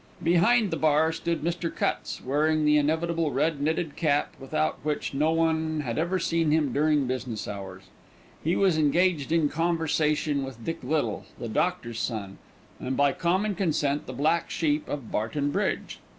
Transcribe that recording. Behind the bar stood Mr. Cutts, wearing the inevitable red knitted cap without which no one had ever seen him during business hours. He was engaged in conversation with Dick Little, the doctor's son, and by common consent the black sheep of Barton Bridge.